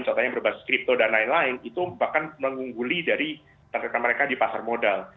contohnya berbasis kripto dan lain lain itu bahkan mengungguli dari target mereka di pasar modal